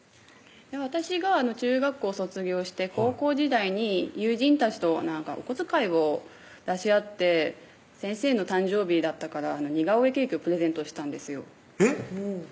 私が中学校卒業して高校時代に友人たちとお小遣いを出し合って先生の誕生日だったから似顔絵ケーキをプレゼントしたんですよえっ？